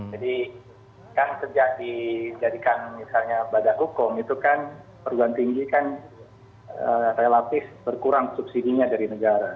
jadi kan sejak dijadikan misalnya badan hukum itu kan perguruan tinggi kan relatif berkurang subsidi nya dari negara